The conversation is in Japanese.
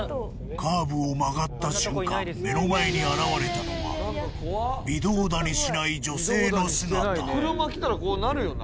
カーブを曲がった瞬間目の前に現れたのは微動だにしない女性の姿車来たらこうなるよな？